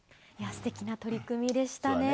すてきな取り組みでしたね。